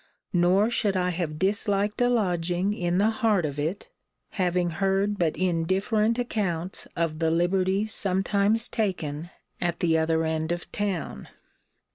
Nor should I have disliked a lodging in the heart of it, having heard but indifferent accounts of the liberties sometimes taken at the other end of the town.